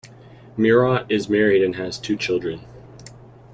Murat is married and has two children.